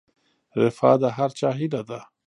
رفاه د هر چا هیله ده